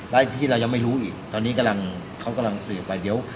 และที่เรายังไม่รู้อีกตอนนี้กำลังเขากำลังสืบไปเดี๋ยว